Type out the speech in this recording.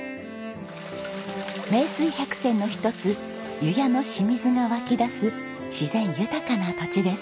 名水百選の一つ熊野の清水が湧き出す自然豊かな土地です。